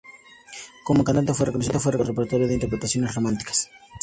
Como cantante, fue reconocido por su repertorio de interpretaciones románticas.